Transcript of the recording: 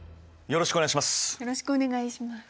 よろしくお願いします。